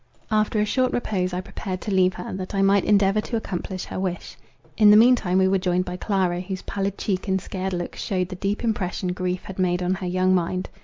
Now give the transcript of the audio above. After a short repose I prepared to leave her, that I might endeavour to accomplish her wish. In the mean time we were joined by Clara, whose pallid cheek and scared look shewed the deep impression grief had made on her young mind.